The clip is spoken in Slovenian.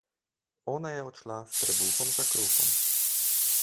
Ona je odšla s trebuhom za kruhom.